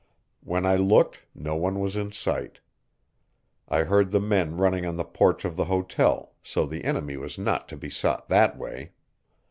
When I looked, no one was in sight. I heard the men running on the porch of the hotel, so the enemy was not to be sought that way.